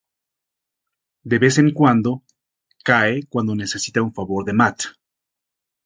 De vez en cuando cae cuando necesita un favor de Matt.